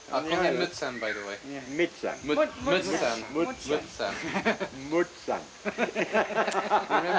ムツさん。